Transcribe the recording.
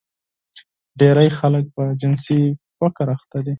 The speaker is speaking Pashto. ډېری خلک په جنسي فقر اخته دي.